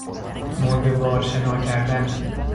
مرده وار شنا کردن